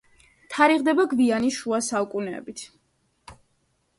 თარიღდება გვიანი შუა საუკუნეებით.